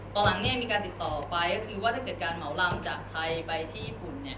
ตอนหลังมีการติดต่อไปก็คือว่าถ้าเกิดการเหมาลำจากไทยไปที่ญี่ปุ่น